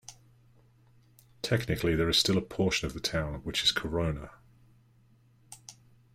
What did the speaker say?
Technically, there is still a portion of the town which is Corona.